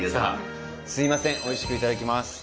すいませんおいしくいただきます。